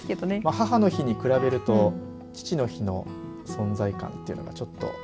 母の日に比べると父の日の存在感というのがちょっと。